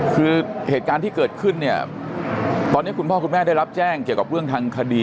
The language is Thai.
คือเหตุการณ์ที่เกิดขึ้นเนี่ยตอนนี้คุณพ่อคุณแม่ได้รับแจ้งเกี่ยวกับเรื่องทางคดี